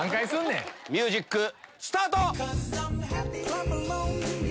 ミュージックスタート！